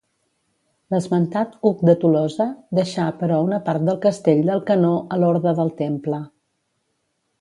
L'esmentat Hug de Tolosa deixà però una part del castell d'Alcanó a l'Orde del Temple.